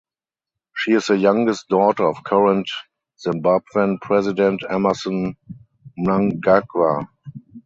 She is the youngest daughter of current Zimbabwean president Emmerson Mnangagwa.